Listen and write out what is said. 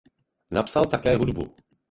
Napsal také hudbu.